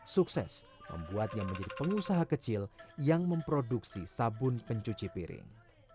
sukses membuatnya menjadi pengusaha kecil yang memproduksi sabun pencuci piring